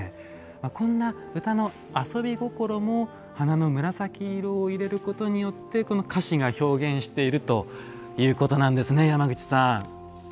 こんな歌の遊び心も花の紫色を入れることによってこの菓子が表現しているということなんですね山口さん。